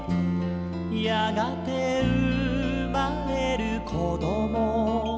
「やがてうまれるこどもたち」